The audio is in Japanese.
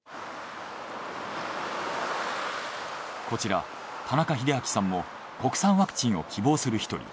こちら田中秀昭さんも国産ワクチンを希望する１人。